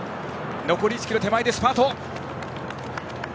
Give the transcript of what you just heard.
残り１ｋｍ手前でスパート！